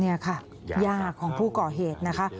นี่ค่ะย่าของผู้ก่อเหตุนะคะ